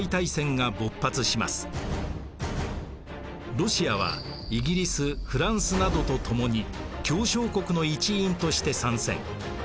ロシアはイギリスフランスなどとともに協商国の一員として参戦。